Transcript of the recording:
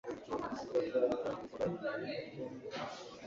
Urashaka gukora ibi koko